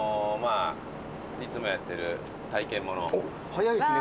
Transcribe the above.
早いですね。